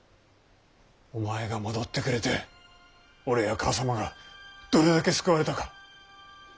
お前が戻ってくれて俺や母さまがどれだけ救われたか。